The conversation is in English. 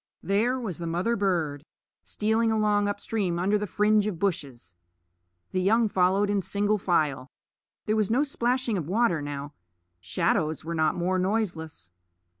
There was the mother bird, stealing along up stream under the fringe of bushes. The young followed in single file. There was no splashing of water now. Shadows were not more noiseless.